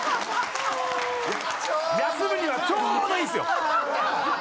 休むにはちょうど良いっすよ。